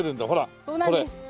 そうなんです。